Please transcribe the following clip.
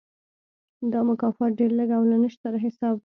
دا مکافات ډېر لږ او له نشت سره حساب و.